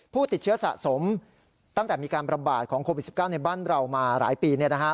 ผู้ติดเชื้อสะสมตั้งแต่มีการประบาดของโควิด๑๙ในบ้านเรามาหลายปี